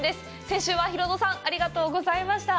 先週はヒロドさん、ありがとうございました！